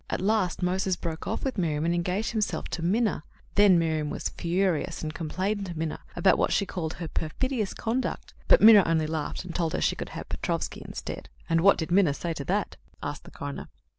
At last Moses broke off with Miriam, and engaged himself to Minna. Then Miriam was furious, and complained to Minna about what she called her perfidious conduct; but Minna only laughed, and told her she could have Petrofsky instead." "And what did Minna say to that?" asked the coroner.